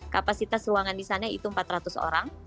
kapasitas ruangan di sana itu empat ratus orang